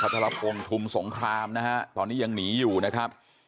ทรพงศ์ทุมสงครามนะฮะตอนนี้ยังหนีอยู่นะครับ